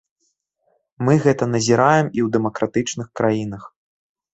Мы гэта назіраем і ў дэмакратычных краінах.